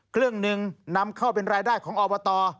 เครื่องหนึ่งนำเข้าเป็นรายได้ของอบต